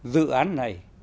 dự án này